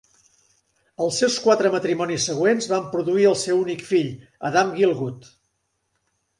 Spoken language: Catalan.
Els seus quatre matrimonis següents van produir el seu únic fill, Adam Gielgud.